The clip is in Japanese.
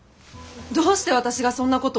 どうして私がそんなことを？